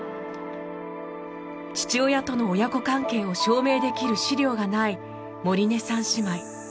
父親との親子関係を証明できる資料がないモリネさん姉妹。